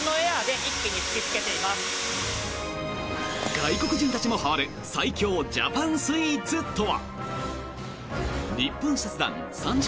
外国人たちもはまる最強ジャパンスイーツとは？